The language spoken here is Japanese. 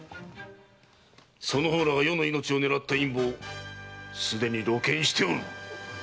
その方らが余の命を狙った陰謀すでに露見しておる！